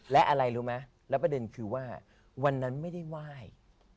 และอะไรรู้ไหมแล้วประเด็นคือว่าวันนั้นไม่ได้ไหว้